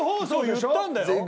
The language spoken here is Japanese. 言ったんだよ？